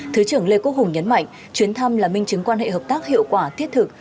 thứ trưởng lê quốc hùng nhấn mạnh chuyến thăm là minh chứng quan hệ hợp tác hiệu quả thiết thực